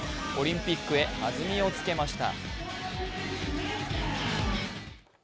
オリンピックへ弾みをつけました。